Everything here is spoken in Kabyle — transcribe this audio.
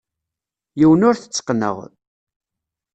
Yiwen ur t-tteqqneɣ.